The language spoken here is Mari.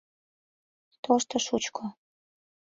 Тошто шучко